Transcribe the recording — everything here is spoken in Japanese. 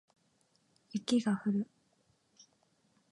雪が降る